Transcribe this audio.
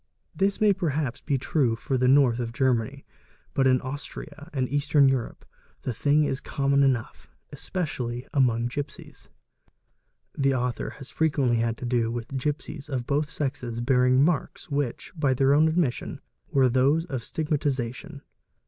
This may perhaps be true for the North of Germany, but ir Austria and Eastern Europe the thing is common enough, especially among gipsies. The author has frequently had to do with gipsies 0 both sexes bearing marks which, by their own admission, were those ¢ "stigmatisation''.